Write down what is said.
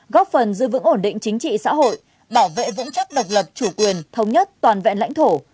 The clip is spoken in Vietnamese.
góp phần giữ vững ổn định chính trị xã hội bảo vệ vững chắc độc lập chủ quyền thống nhất toàn vẹn lãnh thổ